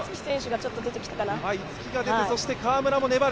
逸木が出て川村も粘る。